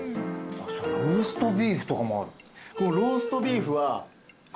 ローストビーフとかもある。